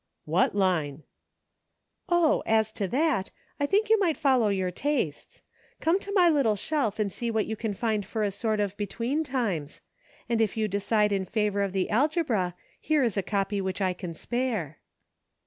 " What line ?"" Oh ! as to that, I think you might follow your tastes ; come to my little shelf and see what you can find for a sort of between times ; and if you decide in favor of the algebra, here is a copy which I can spare."